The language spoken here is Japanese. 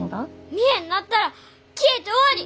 見えんなったら消えて終わり！